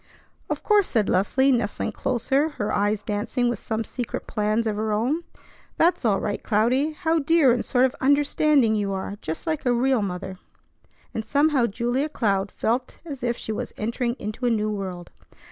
"Of course!" said Leslie, nestling closer, her eyes dancing with some secret plans of her own. "That's all right, Cloudy. How dear and sort of 'understanding' you are, just like a real mother." And somehow Julia Cloud felt as if she was entering into a new world.